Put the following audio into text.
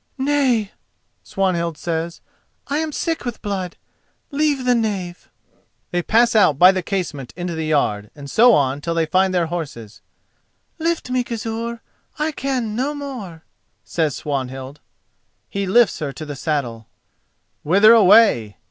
"Nay," Swanhild says. "I am sick with blood. Leave the knave." They pass out by the casement into the yard and so on till they find their horses. "Lift me, Gizur; I can no more," says Swanhild. He lifts her to the saddle. "Whither away?"